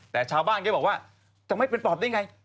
แต่ชาวบ้านก็บอกว่าจะไม่เป็นปอบได้ไง